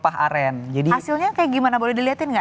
hasilnya kayak gimana boleh dilihatin nggak